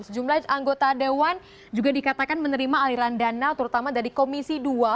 sejumlah anggota dewan juga dikatakan menerima aliran dana terutama dari komisi dua